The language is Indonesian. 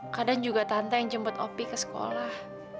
kadang juga tante yang jemput opi ke sekolah